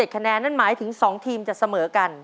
คะแนนนั่นหมายถึง๒ทีมจะเสมอกัน